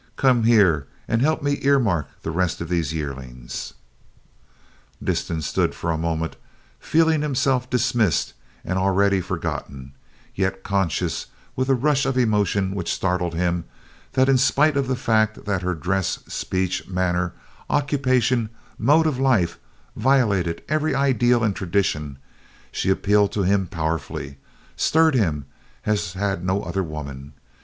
"Come here and help me earmark the rest of these yearlings." Disston stood for a moment, feeling himself dismissed and already forgotten, yet conscious with a rush of emotion which startled him, that in spite of the fact that her dress, speech, manner, occupation, mode of life violated every ideal and tradition, she appealed to him powerfully, stirred him as had no other woman.